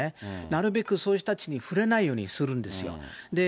なるべくそういう人たちに触れないようにするんですよ。